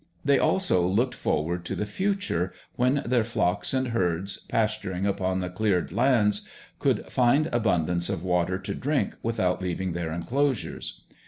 They also looked forward to the future, when their flocks and herds, pasturing upon the cleared lands, could find abundance of water to drink without leaving their enclosures.